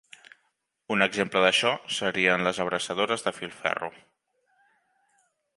Un exemple d'això serien les abraçadores de filferro.